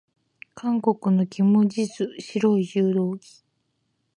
韓国のキム・ジス、白い柔道着。